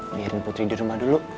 biarin putri di rumah dulu